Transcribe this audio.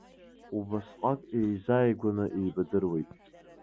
Убасҟак еизааигәаны еибадыруеит.